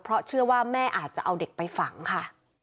เพราะเชื่อว่าแม่อาจจะเอาเด็กไปฝังค่ะ